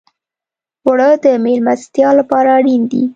اوړه د میلمستیا لپاره اړین دي